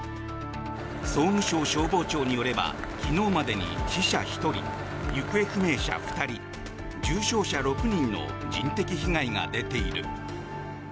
総務省消防庁によれば昨日までに死者１人行方不明者２人、重傷者６人の人的被害が出ている。